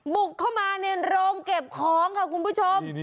บุกเข้ามาในโรงเก็บของค่ะคุณผู้ชม